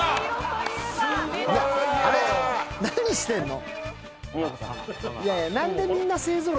何してんの？